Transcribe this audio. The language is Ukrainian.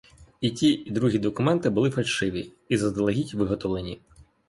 І ті, і другі документи були фальшиві і заздалегідь виготовлені.